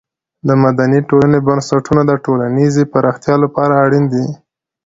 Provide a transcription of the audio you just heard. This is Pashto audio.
د مدني ټولنې بنسټونه د ټولنیزې پرمختیا لپاره اړین دي.